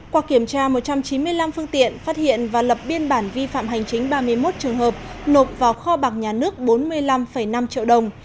qua kiểm tra một trăm chín mươi năm phương tiện phát hiện và lập biên bản vi phạm hành chính ba mươi một trường hợp nộp vào kho bạc nhà nước bốn mươi năm năm triệu đồng